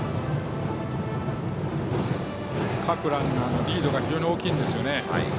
各ランナー、リードが非常に大きいですよね。